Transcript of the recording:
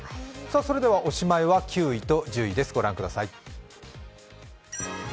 おしまいは９位と１０位です。